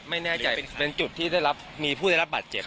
ไม่แน่ใจเป็นจุดที่ได้รับมีผู้ได้รับบาดเจ็บ